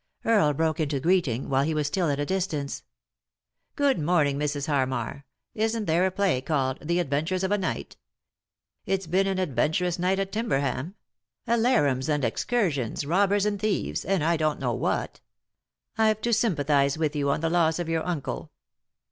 Earle broke into greeting while he was still at a distance. " Good morning, Mrs. Harmar. Isn't there a play called 'The Adventures of a Night' ? It's been an adven turous night at Timberhatn ; alarums and excursions, robbers and thieves, and I don't know what. I've to sympathise with you on the loss of your uncle."